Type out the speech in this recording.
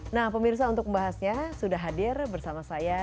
nah pemirsa untuk membahasnya sudah hadir bersama saya